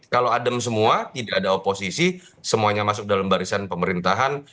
kalau adem semua tidak ada oposisi semuanya masuk dalam barisan pemerintahan